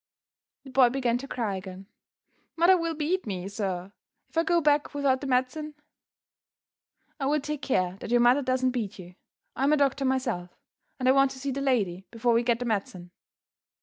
The boy began to cry again. "Mother will beat me, sir, if I go back without the medicine." "I will take care that your mother doesn't beat you. I am a doctor myself; and I want to see the lady before we get the medicine."